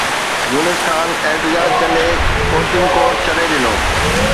يونس خان احتجاج ڪندي coaching course ڇڏي ڏنو